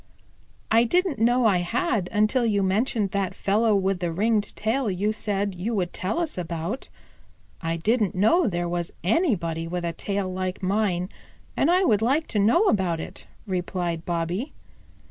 "I didn't know I had until you mentioned that fellow with the ringed tail you said you would tell us about. I didn't know there was anybody with a tail like mine, and I would like to know about it," replied Bobby.